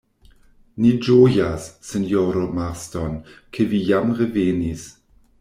Ni ĝojas, sinjoro Marston, ke vi jam revenis.